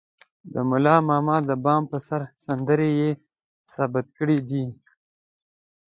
د ملا ماما د بام پر سر سندرې يې ثبت کړې دي.